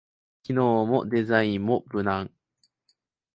機能もデザインも無難